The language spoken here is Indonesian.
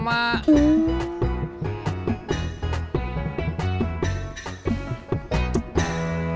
mbak gue mau ke sana